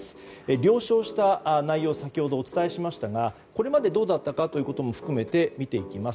了承した内容を先ほどお伝えしましたがこれまでどうだったかということも含めて見ていきます。